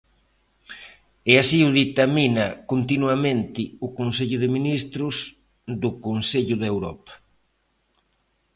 E así o ditamina continuamente o Consello de Ministros do Consello de Europa.